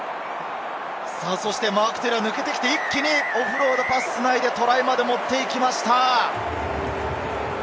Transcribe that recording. そしてマーク・テレア、抜けてきて、一気にオフロードパスを繋いで、トライまで持っていきました。